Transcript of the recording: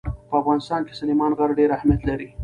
په افغانستان کې سلیمان غر ډېر اهمیت لري.